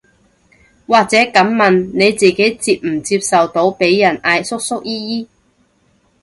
或者噉問，你自己接唔接受到被人嗌叔叔姨姨